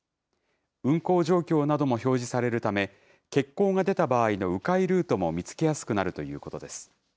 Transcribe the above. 運航状況なども表示されるため、欠航が出た場合のう回ルートも見つけやすくなるということです。